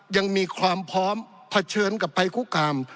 ยังมีความพร้อมเผชิญกับภัยคุกคาม